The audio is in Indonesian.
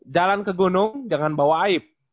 jalan ke gunung jangan bawa aib